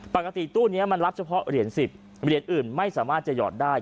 ปกติตู้นี้มันรับเฉพาะเหรียญ๑๐เหรียญอื่นไม่สามารถจะหยอดได้